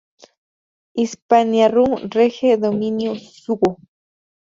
Hispaniarum Rege domino suo".